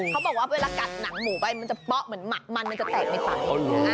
เขาบอกว่าเวลากัดหนังหมูไปมันจะเป๊ะเหมือนหมักมันมันจะแตกในปาก